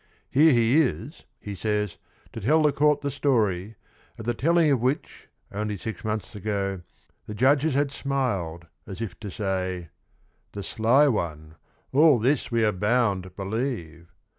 Here he is, he says, to tell the court the story, at the telling of which, only six months ag o, the judges had smiled, as if to say i'The sly one, all this we are bound believe